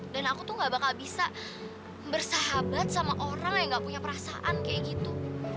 dan aku tuh gak bakal bisa bersahabat sama orang yang gak punya perasaan kayak gitu